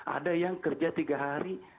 ada yang kerja tiga hari